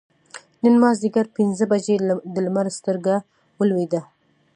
نن مازدیګر پینځه بجې د لمر سترګه ولوېده.